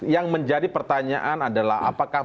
yang menjadi pertanyaan adalah apakah